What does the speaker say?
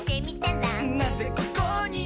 「なぜここに？」